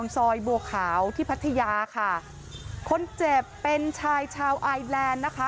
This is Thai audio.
ซอยบัวขาวที่พัทยาค่ะคนเจ็บเป็นชายชาวไอแลนด์นะคะ